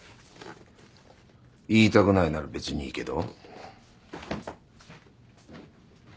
言いたくないなら別にいいけど。